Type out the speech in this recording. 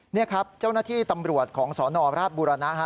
นี่ครับเจ้าหน้าที่ตำรวจของสนราชบุรณะ